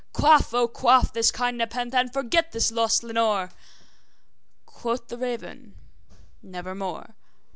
Quaff, oh quaff this kind nepenthe, and forget this lost Lenore!' Quoth the raven, `Nevermore.'